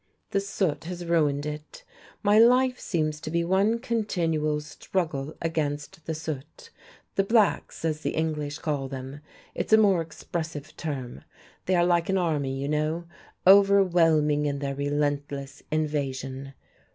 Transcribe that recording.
"The soot has ruined it. My life seems to be one continual struggle against the soot, the blacks, as the English call them. It's a more expressive term. They are like an army, you know, overwhelming in their relentless invasion.